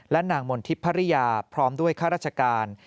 และนางมณฑิพริยาพร้อมด้วยข้าราชกาล